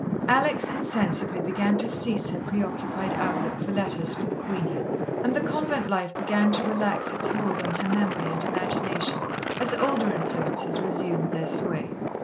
Alex insensibly began to cease her preoccupied outlook for letters from Queenie, and the convent life began to relax its hold on her memory and imagination, as older influences resumed their sway.